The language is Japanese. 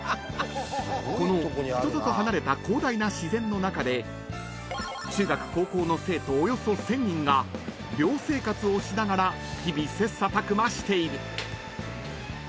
［この人里離れた広大な自然の中で中学高校の生徒およそ１，０００人が寮生活をしながら日々切磋琢磨している］